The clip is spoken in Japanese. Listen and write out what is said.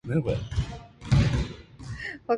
ｔｒｇｔｙｔｎ